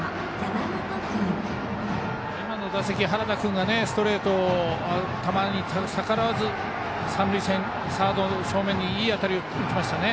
今の打席は原田君がストレートを、球に逆らわず三塁線、サード正面にいい当たりを打ちましたね。